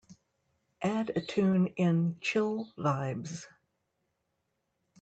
add a tune in Chill Vibes